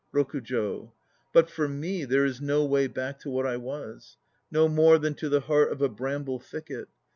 ROKUJO. But for me There is no way back to what I was, No more than to the heart of a bramble thicket.